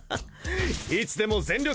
いつでも全力！